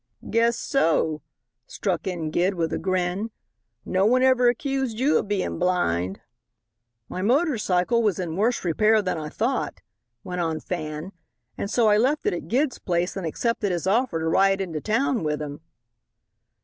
"Guess so," struck in Gid, with a grin; "no one never accused you of being blind." "My motor cycle was in worse repair than I thought," went on Fan, "and so I left it at Gid's place and accepted his offer to ride into town with him."